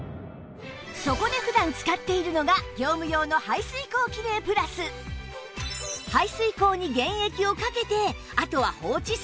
そこで普段使っているのが業務用の排水口キレイプラス排水口に原液をかけてあとは放置するだけで